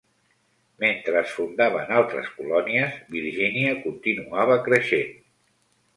Mentre es fundaven altres colònies, Virgínia continuava creixent.